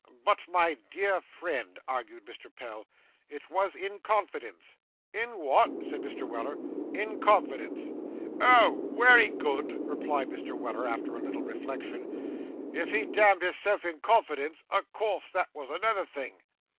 'But, my dear friend,' argued Mr. Pell, 'it was in confidence.' 'In what?' said Mr. Weller. 'In confidence.' 'Oh! wery good,' replied Mr. Weller, after a little reflection. 'If he damned hisself in confidence, o' course that was another thing.